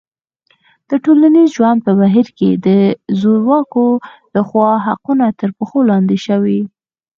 د ټولنیز ژوند په بهیر کې د زورواکو لخوا حقونه تر پښو لاندې شوي.